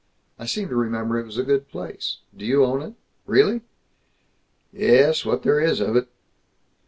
I seem to remember it was a good place. Do you own it? Really?" "Ye es, what there is of it."